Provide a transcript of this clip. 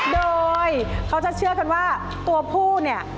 โดยเขาจะเชื่อกันว่าตัวผู้เนี่ย